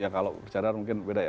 ya kalau bercadar mungkin beda ya